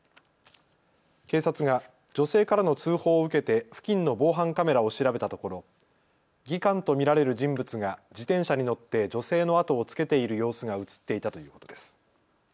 警察が女性からの通報を受けて付近の防犯カメラを調べたところ、技官と見られる人物が自転車に乗って女性の後をつけている様子が写っていたということです。